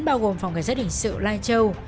bao gồm phòng kiến sát hình sự lây châu